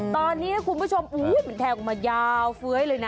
ตอนนี้นะคุณผู้ชมมันแทงออกมายาวเฟ้ยเลยนะ